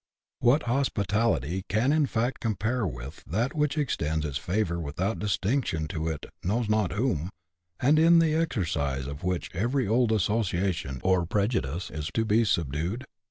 "What hospitality can in fact compare with that which extends its favours without distinction to it knows not whom, and in the exercise of which every old association or prejudice is to be subdued